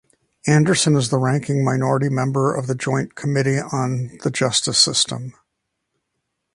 Anderson is the ranking minority member of the Joint Committee on the Justice System.